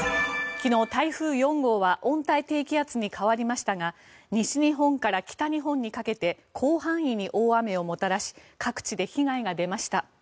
昨日、台風４号は温帯低気圧に変わりましたが西日本から北日本にかけて広範囲に大雨をもたらし各地で被害が出ました。